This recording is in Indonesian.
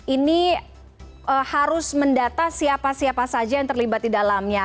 ini harus mendata siapa siapa saja yang terlibat di dalamnya